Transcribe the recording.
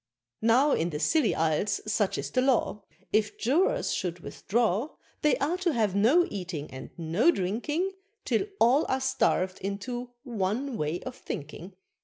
Now, in the Silly Isles such is the law, If Jurors should withdraw, They are to have no eating and no drinking, Till all are starved into one way of thinking.